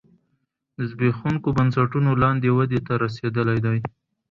د زبېښونکو بنسټونو لاندې ودې ته رسېدلی دی